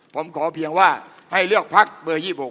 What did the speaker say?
ผมขอเพียงว่าให้เลือกพักเบอร์๒๖